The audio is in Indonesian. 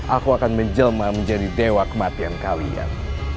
aku akan menjelma menjadi dewa kematian kalian